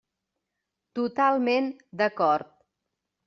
Totalment d'acord.